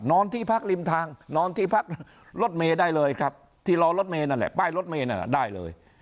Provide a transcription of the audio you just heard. นอนที่พักริมทางนอนที่พักรถเมย์ได้เลยครับที่รอรถเมย์นั่นแหละป้ายรถเมย์นั่นน่ะได้เลย